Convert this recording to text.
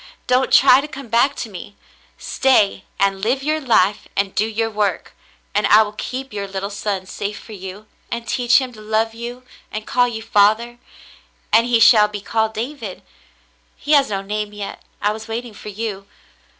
Don't try to come back to me. Stay on and live your life and do your work, and I will keep your little son safe for you, and teach him to love you and call you father, and he shall be called David. He has no name yet ; I was waiting for you.